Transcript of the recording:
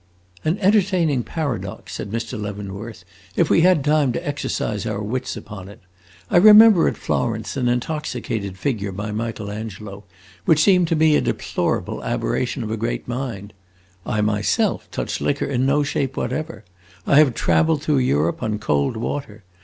"An entertaining paradox," said Mr. Leavenworth, "if we had time to exercise our wits upon it. I remember at Florence an intoxicated figure by Michael Angelo which seemed to me a deplorable aberration of a great mind. I myself touch liquor in no shape whatever. I have traveled through Europe on cold water.